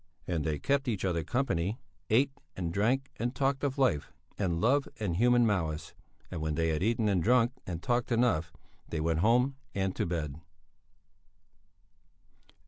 And they kept each other company, ate and drank and talked of life and love and human malice; and when they had eaten and drunk and talked enough, they went home and to bed.